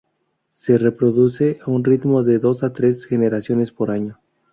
Se reproducen a un ritmo de dos a tres generaciones por año.